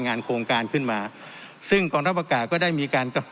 งานโครงการขึ้นมาซึ่งกองทัพอากาศก็ได้มีการ